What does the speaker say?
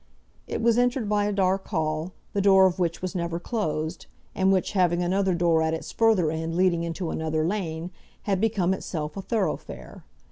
It was entered by a dark hall, the door of which was never closed; and which, having another door at its further end leading into another lane, had become itself a thoroughfare.